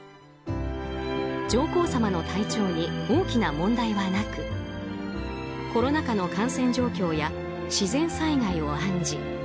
上皇さまの体調に大きな問題はなくコロナ禍の感染状況や自然災害を案じ